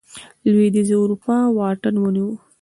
لوېدیځې اروپا واټن ونیو.